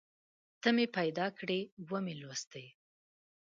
ته مې پیدا کړې ومې لوستې